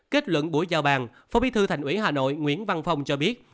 kết luận buổi giao bàn phó bí thư thành ủy hà nội nguyễn văn phong cho biết